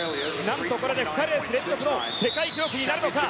これで２年連続の世界記録になるのか。